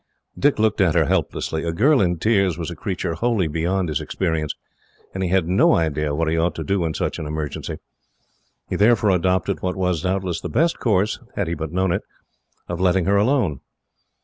Dick looked at her, helplessly. A girl in tears was a creature wholly beyond his experience, and he had no idea what he ought to do in such an emergency. He therefore adopted what was, doubtless, the best course, had he but known it, of letting her alone.